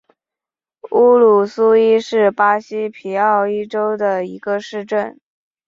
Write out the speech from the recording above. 乌鲁苏伊是巴西皮奥伊州的一个市镇。